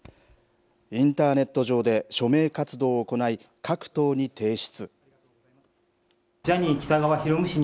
インターネット上で署名活動を行い、各党に提出。